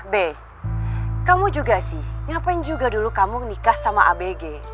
be kamu juga sih ngapain juga dulu kamu nikah sama abg